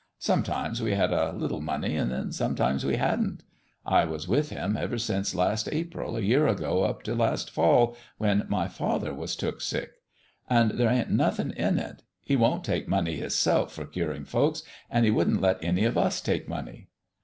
Sometimes we had a little money, and then sometimes we hadn't. I was with Him ever since last April a year ago up to last fall, when my father was took sick; and there ain't nothing in it. He won't take money Hisself for curing folks, and He wouldn't let any of us take money."